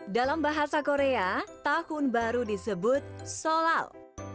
dalam bahasa korea tahun baru disebut solal